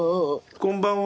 こんばんは。